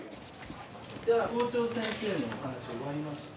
じゃあ校長先生のお話終わりました。